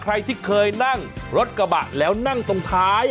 ใครที่เคยนั่งรถกระบะแล้วนั่งตรงท้าย